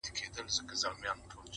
يو بل نظر وړلاندي کيږي تل-